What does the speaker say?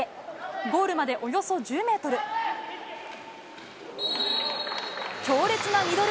ゴールまでおよそ１０メートル。